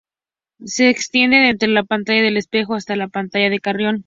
Se extiende desde la playa del Espejo hasta la playa de Carrión.